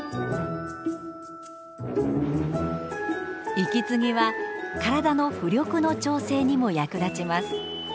息継ぎは体の浮力の調整にも役立ちます。